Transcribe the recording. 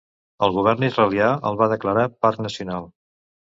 El govern israelià el va declarar parc nacional.